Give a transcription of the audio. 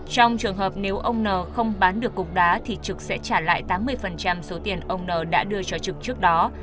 trong trường hợp nếu ông n không bán được cục đá thì trực sẽ trả lại tám mươi số tiền ông n đã đưa cho trực trước đó